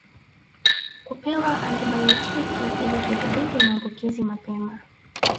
Kupewa antibayotiki ili kudhibiti maambukizi mapema